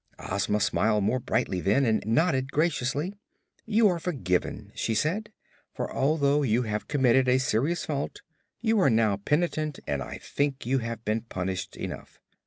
Ozma smiled more brightly, then, and nodded graciously. "You are forgiven," she said. "For, although you have committed a serious fault, you are now penitent and I think you have been punished enough.